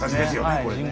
これね。